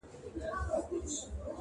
نه په وطن کي آشیانه سته زه به چیري ځمه!